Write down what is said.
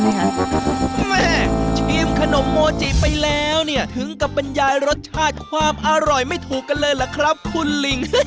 แม่ชิมขนมโมจิไปแล้วเนี่ยถึงกับบรรยายรสชาติความอร่อยไม่ถูกกันเลยเหรอครับคุณลิง